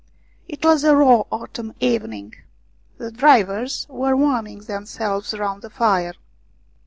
It was a raw autumn evening. The drivers were warming themselves round the fire.